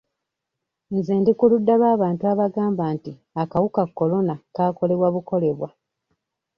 Nze ndi ku ludda lw'abantu abagamba nti akawuka korona kaakolebwa bukolebwa.